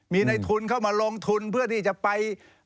มีในทุนเข้ามาลงทุนเพื่อที่จะไป